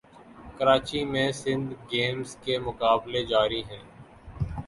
کراچی میں سندھ گیمز کے مقابلے جاری ہیں